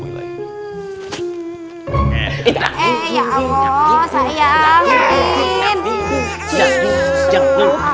ya allah sayang